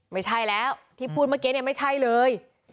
ไม่ใช่แล้วที่พูดเมื่อกี้เนี่ยไม่ใช่เลย